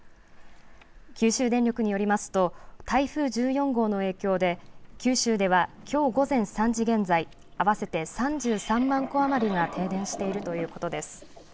九州電力によりますと台風１４号の影響で九州ではきょう午前３時現在、合わせて３３万戸余りが停電しているということです。